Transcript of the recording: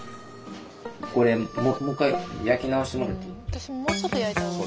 私ももうちょっと焼いた方がいい。